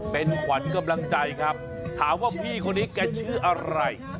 เป็นขวัญกำลังใจครับถามว่าพี่คนนี้แกชื่ออะไร